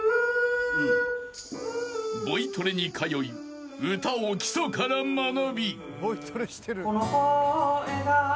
［ボイトレに通い歌を基礎から学び］